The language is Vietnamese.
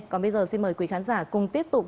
còn bây giờ xin mời quý khán giả cùng tiếp tục